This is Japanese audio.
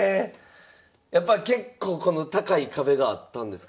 やっぱ結構この高い壁があったんですか